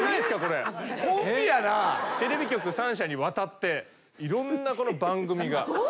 テレビ局３社にわたっていろんな番組が。